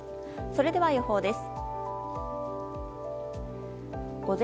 それでは予報です。